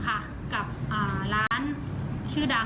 ตอนนั้นเราจัดงานช่วงนั้นเราจัดงาน